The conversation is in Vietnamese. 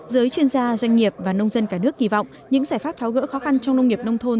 giới chuyên gia doanh nghiệp và nông dân cả nước kỳ vọng những giải pháp tháo gỡ khó khăn trong nông nghiệp nông thôn